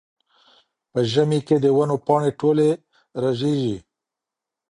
په ژمي کې د ونو پاڼې ټولې رژېږي.